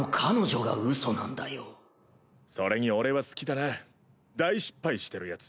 それに俺は好きだな大失敗してるヤツ。